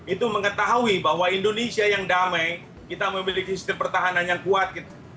itu mengetahui bahwa indonesia yang damai kita memiliki sistem pertahanan yang kuat